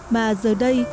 mà giờ đây